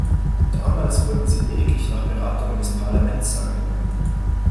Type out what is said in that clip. Damals wurden sie lediglich nach Beratung des Parlaments angenommen.